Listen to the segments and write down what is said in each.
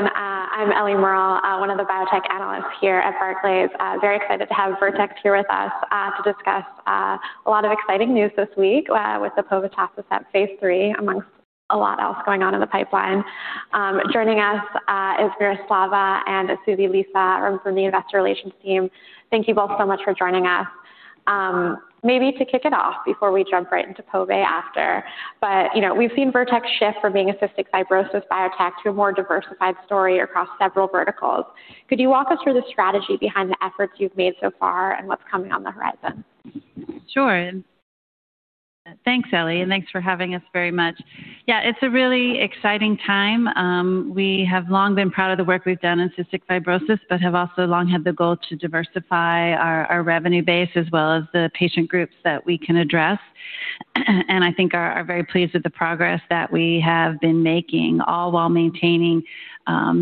Hi, everyone. I'm Ellen Maura, one of the biotech analysts here at Barclays. Very excited to have Vertex here with us, to discuss a lot of exciting news this week, with the povetacicept phase III amongst a lot else going on in the pipeline. Joining us is Miroslava and Susie Lisa from the Investor Relations team. Thank you both so much for joining us. Maybe to kick it off before we jump right into pove after. You know, we've seen Vertex shift from being a cystic fibrosis biotech to a more diversified story across several verticals. Could you walk us through the strategy behind the efforts you've made so far and what's coming on the horizon? Sure. Thanks, Ellen, and thanks for having us very much. Yeah, it's a really exciting time. We have long been proud of the work we've done in cystic fibrosis, but have also long had the goal to diversify our revenue base as well as the patient groups that we can address. I think are very pleased with the progress that we have been making, all while maintaining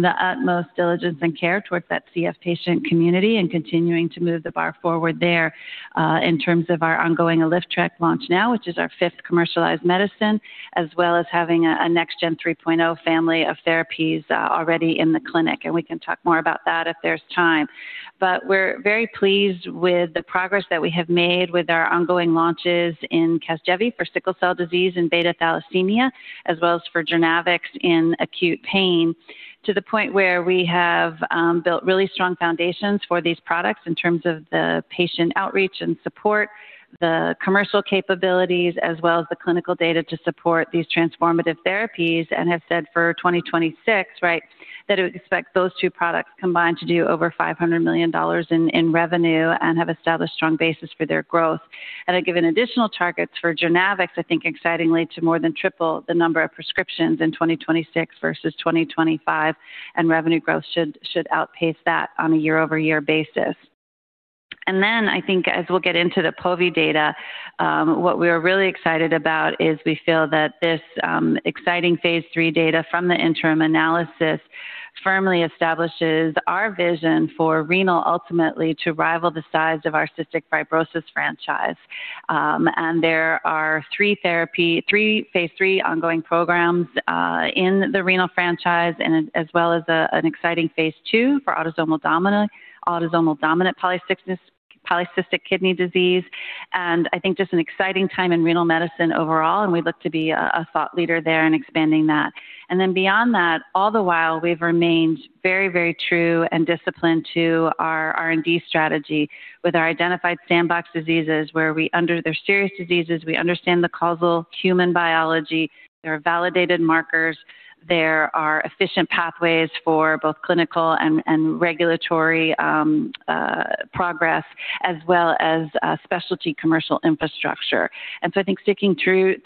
the utmost diligence and care towards that CF patient community and continuing to move the bar forward there in terms of our ongoing ALYFTREK launch now, which is our fifth commercialized medicine, as well as having a next-gen 3.0 family of therapies already in the clinic, and we can talk more about that if there's time. We're very pleased with the progress that we have made with our ongoing launches in CASGEVY for sickle cell disease and beta thalassemia, as well as for JOURNAVX in acute pain, to the point where we have built really strong foundations for these products in terms of the patient outreach and support, the commercial capabilities, as well as the clinical data to support these transformative therapies, and have said for 2026, right. That it would expect those two products combined to do over $500 million in revenue and have established strong basis for their growth. I give an additional targets for JOURNAVX, I think excitingly to more than triple the number of prescriptions in 2026 versus 2025, and revenue growth should outpace that on a year-over-year basis. I think as we'll get into the pove data, what we are really excited about is we feel that this exciting phase III data from the interim analysis firmly establishes our vision for renal ultimately to rival the size of our cystic fibrosis franchise. There are three therapy, three phase III ongoing programs in the renal franchise as well as an exciting phase II for autosomal dominant polycystic kidney disease. I think just an exciting time in renal medicine overall, and we look to be a thought leader there in expanding that. Beyond that, all the while, we've remained very true and disciplined to our R&D strategy with our identified sandbox diseases where they're serious diseases. We understand the causal human biology. There are validated markers. There are efficient pathways for both clinical and regulatory progress as well as specialty commercial infrastructure. I think sticking true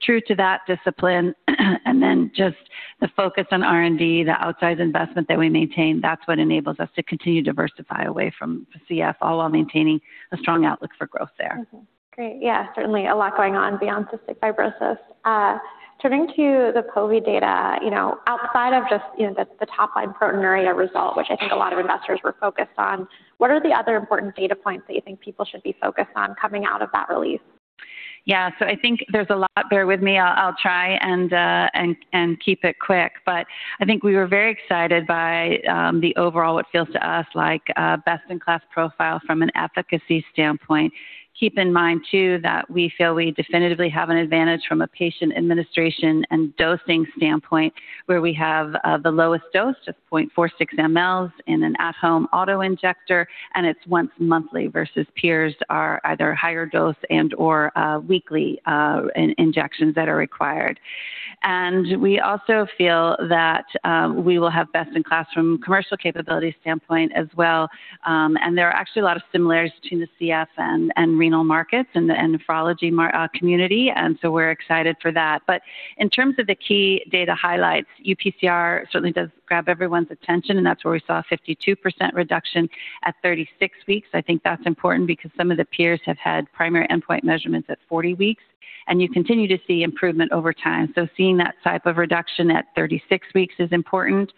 to that discipline and then just the focus on R&D, the outsized investment that we maintain, that's what enables us to continue to diversify away from CF all while maintaining a strong outlook for growth there. Great. Yeah, certainly a lot going on beyond cystic fibrosis. Turning to the pove data, you know, outside of just, you know, the top line proteinuria result, which I think a lot of investors were focused on, what are the other important data points that you think people should be focused on coming out of that release? Yeah. I think there's a lot. Bear with me. I'll try and keep it quick. I think we were very excited by the overall what feels to us like best in class profile from an efficacy standpoint. Keep in mind too, that we feel we definitively have an advantage from a patient administration and dosing standpoint where we have the lowest dose of 0.46 mL in an at-home auto-injector, and it's once monthly versus peers are either higher dose and/or weekly injections that are required. We also feel that we will have best in class from commercial capability standpoint as well. There are actually a lot of similarities between the CF and renal markets and the nephrology community, and we're excited for that. In terms of the key data highlights, UPCR certainly does grab everyone's attention, and that's where we saw a 52% reduction at 36 weeks. I think that's important because some of the peers have had primary endpoint measurements at 40 weeks, and you continue to see improvement over time. Seeing that type of reduction at 36 weeks is important.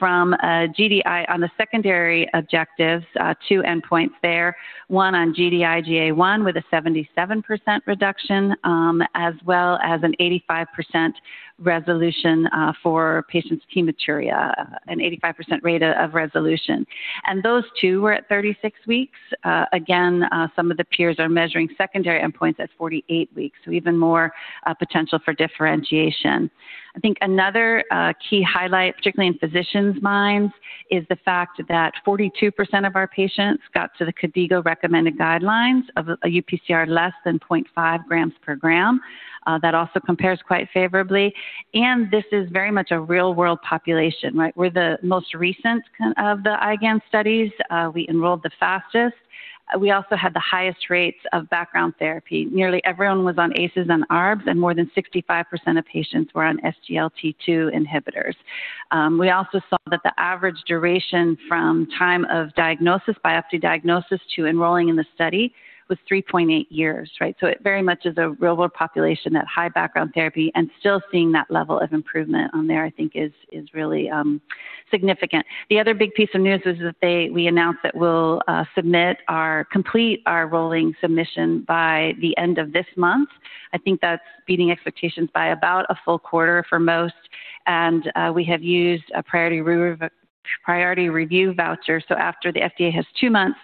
From Gd-IgA1 on the secondary objectives, two endpoints there, one on Gd-IgA1 with a 77% reduction, as well as an 85% resolution for patients' hematuria, an 85% rate of resolution. Those two were at 36 weeks. Again, some of the peers are measuring secondary endpoints at 48 weeks, so even more potential for differentiation. I think another key highlight, particularly in physicians' minds, is the fact that 42% of our patients got to the KDIGO recommended guidelines of a UPCR less than 0.5 grams per gram. That also compares quite favorably. This is very much a real-world population, right? We're the most recent of the IgAN studies. We enrolled the fastest. We also had the highest rates of background therapy. Nearly everyone was on ACEs and ARBs, and more than 65% of patients were on SGLT2 inhibitors. We also saw that the average duration from time of diagnosis, biopsy diagnosis to enrolling in the study was three point eight years, right? It very much is a real-world population, that high background therapy and still seeing that level of improvement on there, I think is really significant. The other big piece of news is that we announced that we'll submit our complete rolling submission by the end of this month. I think that's beating expectations by about a full quarter for most. We have used a priority review voucher. After the FDA has two months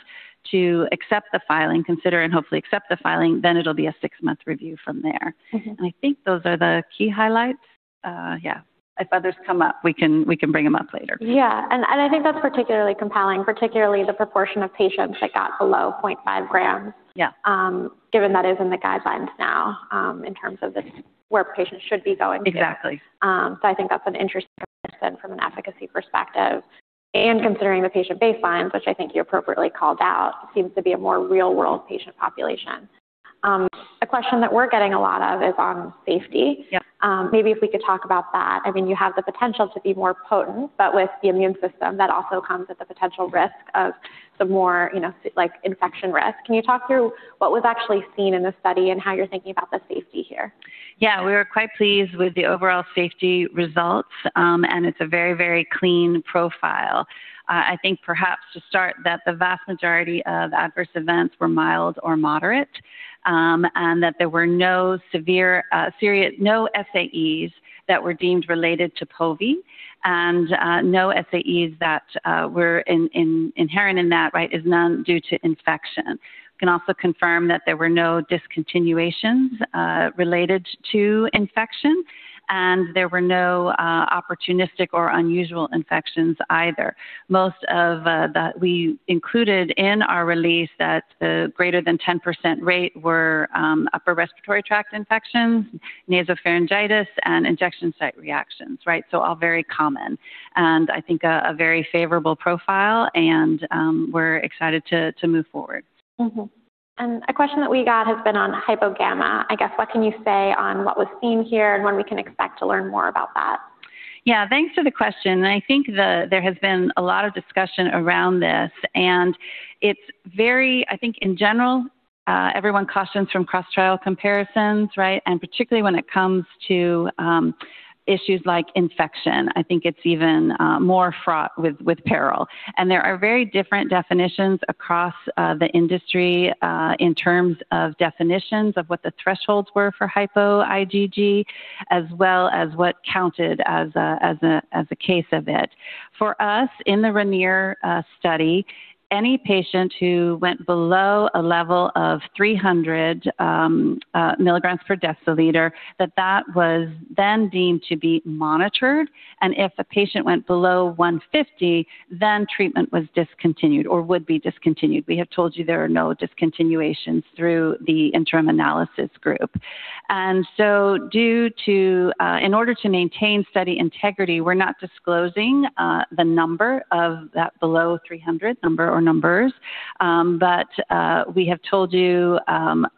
to accept the filing, consider and hopefully accept the filing, then it'll be a six-month review from there. I think those are the key highlights. Yeah. If others come up, we can bring them up later. Yeah. I think that's particularly compelling, particularly the proportion of patients that got below 0.5 grams. Yeah Given that is in the guidelines now, in terms of this, where patients should be going. Exactly. I think that's an interesting comparison from an efficacy perspective. Considering the patient baselines, which I think you appropriately called out, seems to be a more real-world patient population. A question that we're getting a lot of is on safety. Yep. Maybe if we could talk about that. I mean, you have the potential to be more potent, but with the immune system, that also comes with the potential risk of some more, you know, like infection risk. Can you talk through what was actually seen in the study and how you're thinking about the safety here? Yeah. We were quite pleased with the overall safety results, and it's a very, very clean profile. I think perhaps to start that the vast majority of adverse events were mild or moderate, and that there were no SAEs that were deemed related to pove, and no SAEs that were inherent in that, right? None due to infection. We can also confirm that there were no discontinuations related to infection, and there were no opportunistic or unusual infections either. Most of that we included in our release, that the greater than 10% rate were upper respiratory tract infections, nasopharyngitis, and injection site reactions, right? So all very common. I think a very favorable profile, and we're excited to move forward. A question that we got has been on hypogamma. I guess what can you say on what was seen here and when we can expect to learn more about that? Yeah. Thanks for the question. I think there has been a lot of discussion around this, and it's very I think in general, everyone cautions from cross-trial comparisons, right? Particularly when it comes to issues like infection, I think it's even more fraught with peril. There are very different definitions across the industry in terms of definitions of what the thresholds were for hypo IgG as well as what counted as a case of it. For us, in the RAINIER study, any patient who went below a level of 300 milligrams per deciliter, that was then deemed to be monitored. If the patient went below 150, then treatment was discontinued or would be discontinued. We have told you there are no discontinuations through the interim analysis group. In order to maintain study integrity, we're not disclosing the number of that below 300 number or numbers. We have told you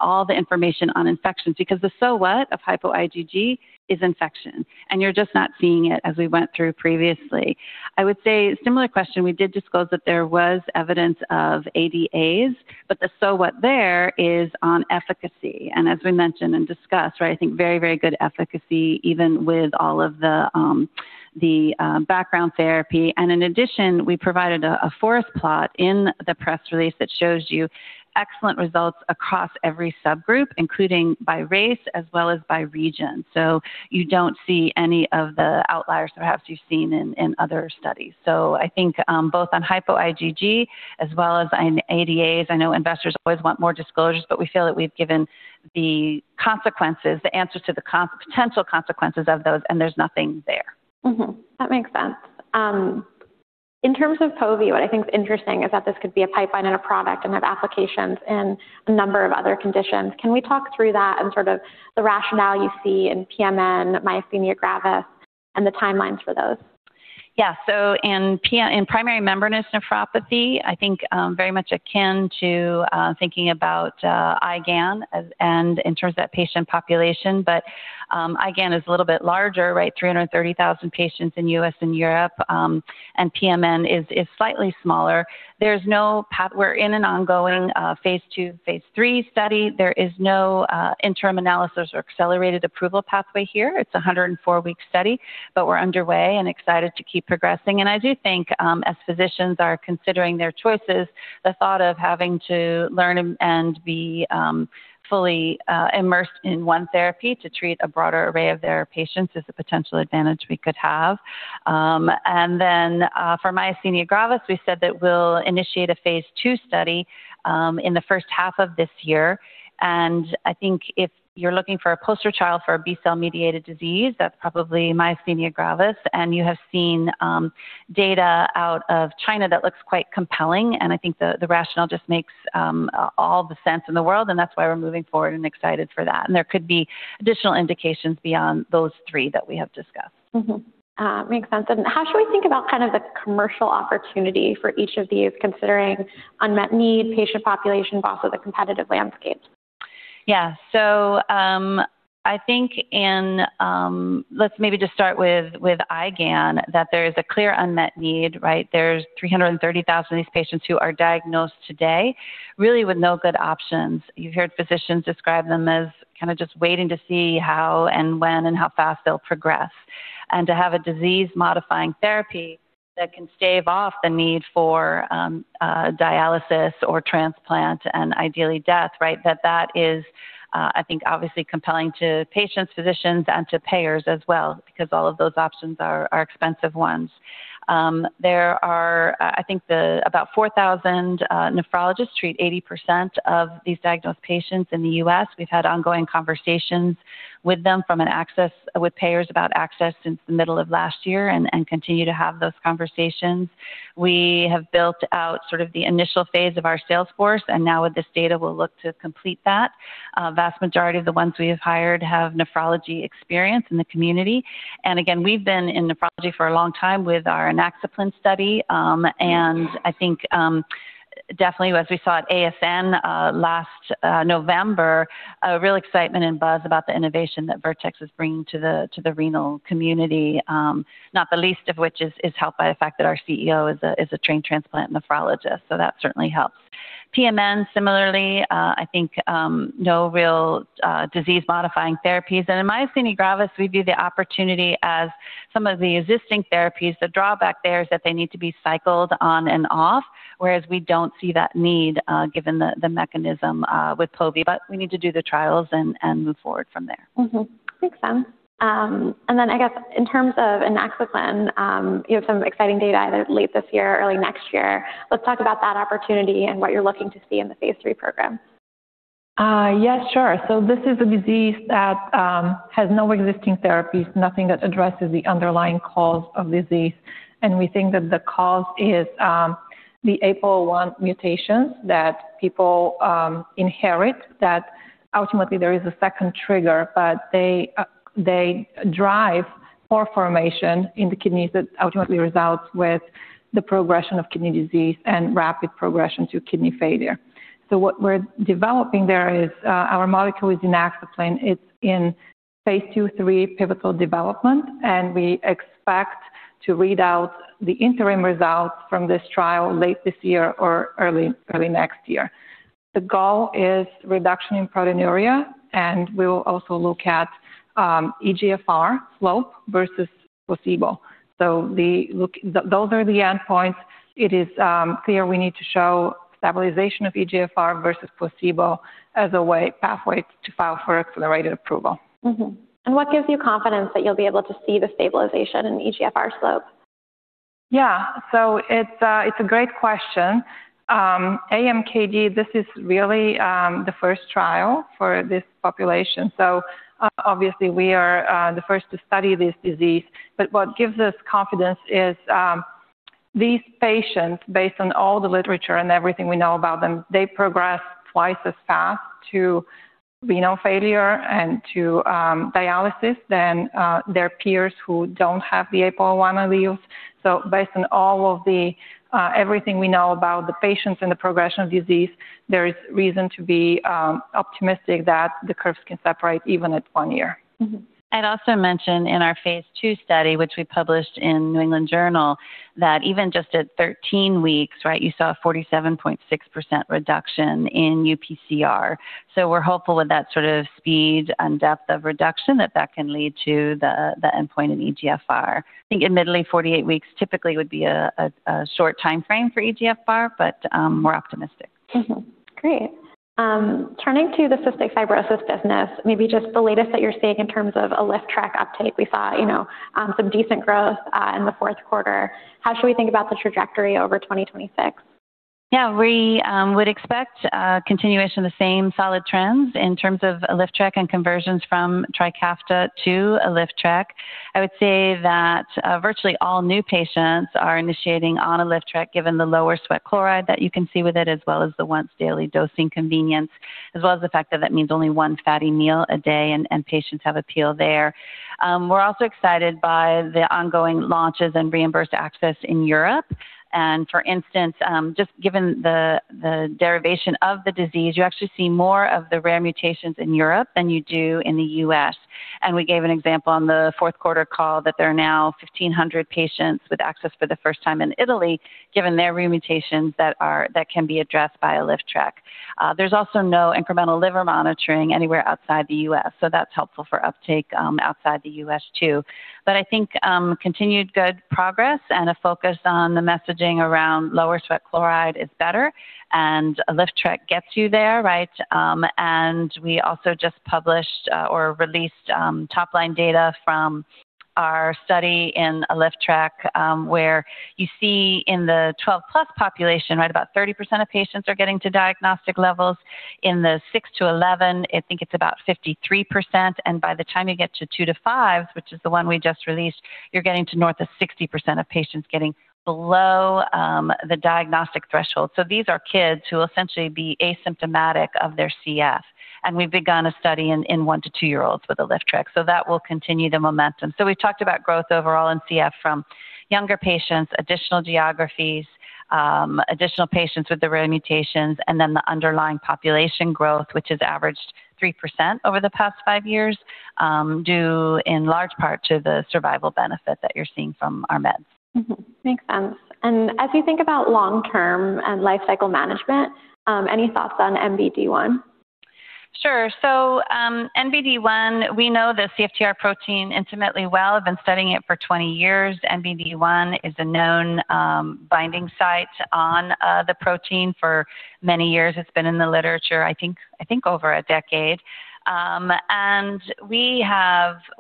all the information on infections because the so what of hypo IgG is infection, and you're just not seeing it as we went through previously. I would say similar question, we did disclose that there was evidence of ADAs, but the so what there is on efficacy. As we mentioned and discussed, right, I think very, very good efficacy even with all of the background therapy. In addition, we provided a forest plot in the press release that shows you excellent results across every subgroup, including by race as well as by region. You don't see any of the outliers perhaps you've seen in other studies. I think, both on hypo IgG as well as in ADAs, I know investors always want more disclosures, but we feel that we've given the consequences, the answers to the potential consequences of those, and there's nothing there. That makes sense. In terms of pove, what I think is interesting is that this could be a pipeline and a product and have applications in a number of other conditions. Can we talk through that and sort of the rationale you see in PMN, myasthenia gravis, and the timelines for those? Yeah. In primary membranous nephropathy, I think very much akin to thinking about IgAN in terms of that patient population. IgAN is a little bit larger, right, 330,000 patients in U.S. and Europe, and PMN is slightly smaller. We're in an ongoing phase II, phase III study. There is no interim analysis or accelerated approval pathway here. It's a 104-week study, but we're underway and excited to keep progressing. I do think as physicians are considering their choices, the thought of having to learn and be fully immersed in one therapy to treat a broader array of their patients is a potential advantage we could have. For myasthenia gravis, we said that we'll initiate a phase II study in the first half of this year. I think if you're looking for a poster child for a B-cell-mediated disease, that's probably myasthenia gravis. You have seen data out of China that looks quite compelling, and I think the rationale just makes all the sense in the world, and that's why we're moving forward and excited for that. There could be additional indications beyond those three that we have discussed. Makes sense. How should we think about kind of the commercial opportunity for each of these, considering unmet need, patient population, but also the competitive landscape? Yeah. I think in, let's maybe just start with IgAN, that there is a clear unmet need, right? There's 330,000 of these patients who are diagnosed today really with no good options. You heard physicians describe them as kind of just waiting to see how and when and how fast they'll progress. To have a disease modifying therapy that can stave off the need for dialysis or transplant and ideally death, right? That is, I think, obviously compelling to patients, physicians, and to payers as well, because all of those options are expensive ones. There are, I think about 4,000 nephrologists treat 80% of these diagnosed patients in the U.S. We've had ongoing conversations with them with payers about access since the middle of last year and continue to have those conversations. We have built out sort of the initial phase of our sales force, and now with this data, we'll look to complete that. Vast majority of the ones we have hired have nephrology experience in the community. Again, we've been in nephrology for a long time with our inaxaplin study. I think definitely as we saw at ASN last November, a real excitement and buzz about the innovation that Vertex is bringing to the renal community. Not the least of which is helped by the fact that our CEO is a trained transplant nephrologist, so that certainly helps. PMN, similarly, I think no real disease-modifying therapies. In myasthenia gravis, we view the opportunity as some of the existing therapies. The drawback there is that they need to be cycled on and off, whereas we don't see that need, given the mechanism with povet, but we need to do the trials and move forward from there. Makes sense. I guess in terms of inaxaplin, you have some exciting data either late this year or early next year. Let's talk about that opportunity and what you're looking to see in the phase III program. Yes, sure. This is a disease that has no existing therapies, nothing that addresses the underlying cause of disease. We think that the cause is the APOL1 mutations that people inherit, that ultimately there is a second trigger, but they drive pore formation in the kidneys that ultimately results with the progression of kidney disease and rapid progression to kidney failure. What we're developing there is our molecule is inaxaplin. It's in phase II phase III pivotal development, and we expect to read out the interim results from this trial late this year or early next year. The goal is reduction in proteinuria, and we will also look at eGFR slope versus placebo. Those are the endpoints. It is clear we need to show stabilization of eGFR versus placebo as a pathway to file for accelerated approval. What gives you confidence that you'll be able to see the stabilization in eGFR slope? Yeah. It's a great question. AMKD, this is really the first trial for this population. Obviously, we are the first to study this disease. What gives us confidence is these patients, based on all the literature and everything we know about them, they progress twice as fast to renal failure and to dialysis than their peers who don't have the APOL1 alleles. Based on all of the everything we know about the patients and the progression of disease, there is reason to be optimistic that the curves can separate even at one year. I'd also mention in our phase II study, which we published in New England Journal, that even just at 13 weeks, right, you saw a 47.6% reduction in UPCR. We're hopeful with that sort of speed and depth of reduction that that can lead to the endpoint in eGFR. I think admittedly, 48 weeks typically would be a short timeframe for eGFR, but we're optimistic. Great. Turning to the cystic fibrosis business, maybe just the latest that you're seeing in terms of ALYFTREK uptake. We saw, you know, some decent growth in the fourth quarter. How should we think about the trajectory over 2026? Yeah. We would expect a continuation of the same solid trends in terms of ALYFTREK and conversions from TRIKAFTA to ALYFTREK. I would say that virtually all new patients are initiating on ALYFTREK, given the lower sweat chloride that you can see with it, as well as the once-daily dosing convenience, as well as the fact that that means only one fatty meal a day and patients have appeal there. We're also excited by the ongoing launches and reimbursed access in Europe. For instance, just given the derivation of the disease, you actually see more of the rare mutations in Europe than you do in the U.S. We gave an example on the fourth quarter call that there are now 1,500 patients with access for the first time in Italy, given their rare mutations that can be addressed by ALYFTREK. There's also no incremental liver monitoring anywhere outside the U.S., so that's helpful for uptake outside the U.S. too. I think continued good progress and a focus on the messaging around lower sweat chloride is better, and ALYFTREK gets you there, right? We also just published or released top-line data from our study in ALYFTREK, where you see in the 12+ population, right, about 30% of patients are getting to diagnostic levels. In the six to 11, I think it's about 53%, and by the time you get to two to five, which is the one we just released, you're getting to north of 60% of patients getting below the diagnostic threshold. These are kids who will essentially be asymptomatic of their CF, and we've begun a study in one to two-year-olds with ALYFTREK. That will continue the momentum. We've talked about growth overall in CF from younger patients, additional geographies, additional patients with the rare mutations, and then the underlying population growth, which has averaged 3% over the past five years, due in large part to the survival benefit that you're seeing from our meds. Makes sense. As you think about long-term and lifecycle management, any thoughts on NBD1? Sure. NBD1, we know the CFTR protein intimately well. I've been studying it for 20 years. NBD1 is a known binding site on the protein for many years. It's been in the literature, I think over a decade.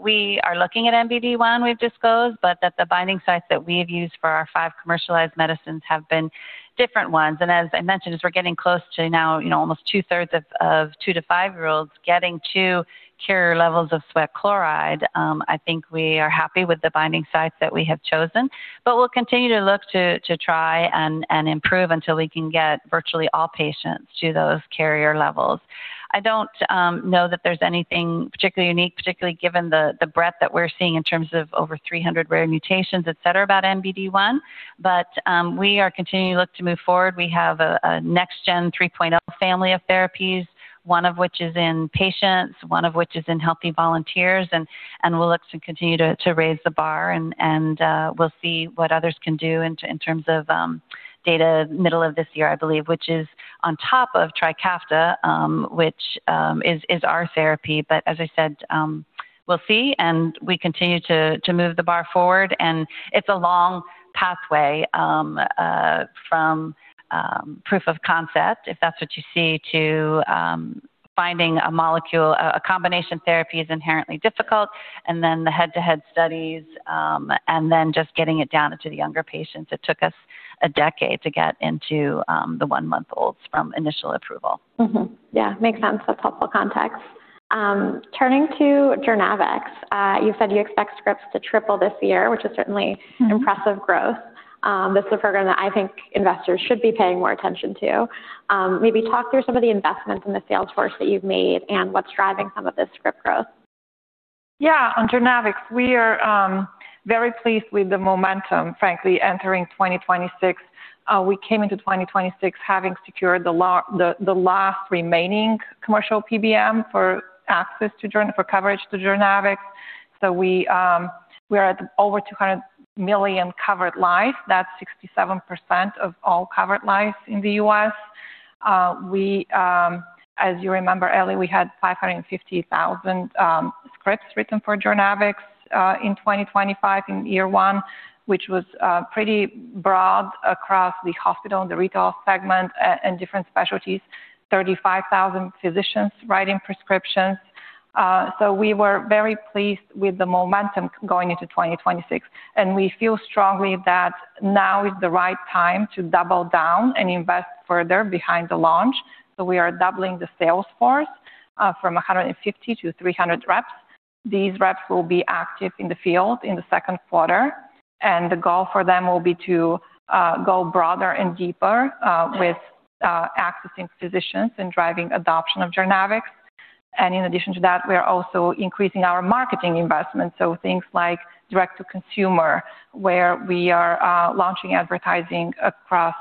We are looking at NBD1, we've disclosed, but that the binding sites that we've used for our five commercialized medicines have been different ones. As I mentioned, as we're getting close to now, you know, almost 2/3 of two to five-year-olds getting to carrier levels of sweat chloride, I think we are happy with the binding sites that we have chosen. We'll continue to look to try and improve until we can get virtually all patients to those carrier levels. I don't know that there's anything particularly unique, particularly given the breadth that we're seeing in terms of over 300 rare mutations, et cetera, about NBD1. We are continuing to look to move forward. We have a next gen 3.0 family of therapies, one of which is in patients, one of which is in healthy volunteers. We'll look to continue to raise the bar and we'll see what others can do in terms of data middle of this year, I believe, which is on top of TRIKAFTA, which is our therapy. As I said, we'll see and we continue to move the bar forward. It's a long pathway from proof of concept, if that's what you see, to finding a molecule. A combination therapy is inherently difficult and then the head-to-head studies, and then just getting it down into the younger patients. It took us a decade to get into the one-month-olds from initial approval. Yeah. Makes sense. That's helpful context. Turning to JOURNAVX, you said you expect scripts to triple this year, which is certainly impressive growth. This is a program that I think investors should be paying more attention to. Maybe talk through some of the investments in the sales force that you've made and what's driving some of this script growth. Yeah. On JOURNAVX, we are very pleased with the momentum, frankly, entering 2026. We came into 2026 having secured the last remaining commercial PBM for access to for coverage to JOURNAVX. We are at over 200 million covered lives. That's 67% of all covered lives in the U.S. As you remember, Ellen, we had 550,000 scripts written for JOURNAVX in 2025 in year one, which was pretty broad across the hospital, the retail segment and different specialties. 35,000 physicians writing prescriptions. We were very pleased with the momentum going into 2026, and we feel strongly that now is the right time to double down and invest further behind the launch. We are doubling the sales force from 150 to 300 reps. These reps will be active in the field in the second quarter, and the goal for them will be to go broader and deeper with accessing physicians and driving adoption of JOURNAVX. In addition to that, we are also increasing our marketing investments, so things like direct to consumer, where we are launching advertising across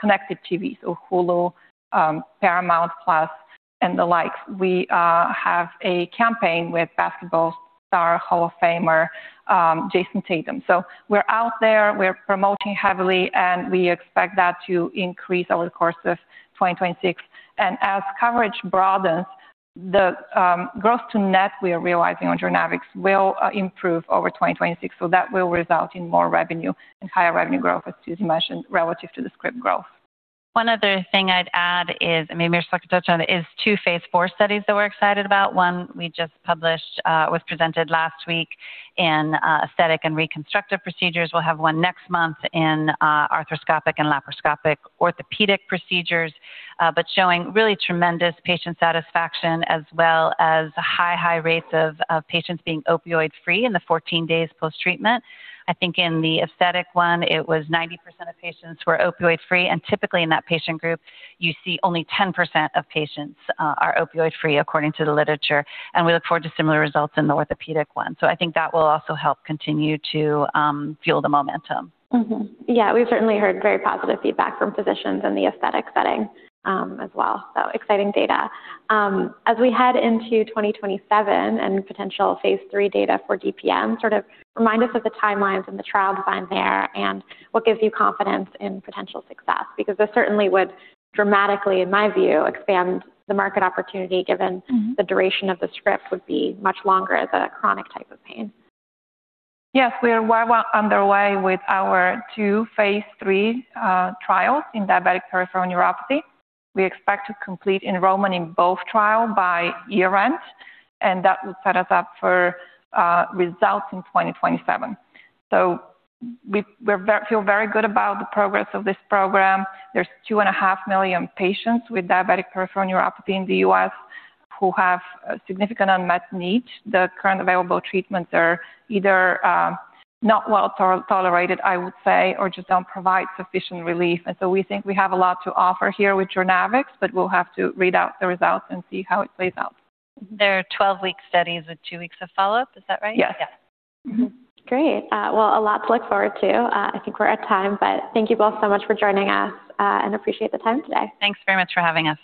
connected TV, or Hulu, Paramount Plus, and the like. We have a campaign with basketball star Hall of Famer Jayson Tatum. We're out there, we're promoting heavily, and we expect that to increase over the course of 2026. As coverage broadens, the gross-to-net we are realizing on JOURNAVX will improve over 2026. That will result in more revenue and higher revenue growth, as Susie mentioned, relative to the script growth. One other thing I'd add is Miro touched on is two phase four studies that we're excited about. One we just published was presented last week in aesthetic and reconstructive procedures. We'll have one next month in arthroscopic and laparoscopic orthopedic procedures, but showing really tremendous patient satisfaction as well as high rates of patients being opioid-free in the 14 days post-treatment. I think in the aesthetic one, it was 90% of patients were opioid-free, and typically in that patient group, you see only 10% of patients are opioid-free, according to the literature. We look forward to similar results in the orthopedic one. I think that will also help continue to fuel the momentum. Yeah, we've certainly heard very positive feedback from physicians in the aesthetic setting, as well, so exciting data. As we head into 2027 and potential phase III data for DPN, sort of remind us of the timelines and the trial design there and what gives you confidence in potential success. Because this certainly would dramatically, in my view, expand the market opportunity given. The duration of the script would be much longer as a chronic type of pain. Yes, we are well underway with our two phase III trials in diabetic peripheral neuropathy. We expect to complete enrollment in both trials by year-end, and that would set us up for results in 2027. We feel very good about the progress of this program. There's 2.5 million patients with diabetic peripheral neuropathy in the U.S. who have significant unmet need. The current available treatments are either not well tolerated, I would say, or just don't provide sufficient relief. We think we have a lot to offer here with JOURNAVX, but we'll have to read out the results and see how it plays out. They're 12-week studies with two weeks of follow-up. Is that right? Yes. Great. Well, a lot to look forward to. I think we're at time, but thank you both so much for joining us, and appreciate the time today. Thanks very much for having us.